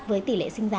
với tỷ lệ sinh giả